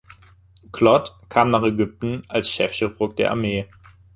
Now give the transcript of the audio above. Clot kam nach Ägypten als Chefchirurg der Armee.